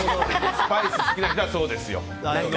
スパイス好きな人はそうですよ。